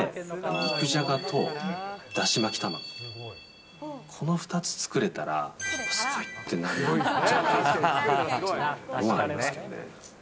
肉じゃがとだし巻き卵、この２つ作れたら、パパすごい！ってなるんじゃないかなっていうのはありますけどね。